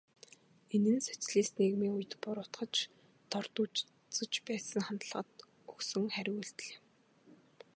Энэ нь социалист нийгмийн үед буруутгаж, дорд үзэж байсан хандлагад өгсөн хариу үйлдэл юм.